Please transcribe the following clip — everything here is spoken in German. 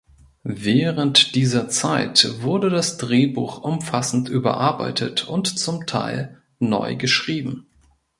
Während dieser Zeit wurde das Drehbuch umfassend überarbeitet und zum Teil neu geschrieben.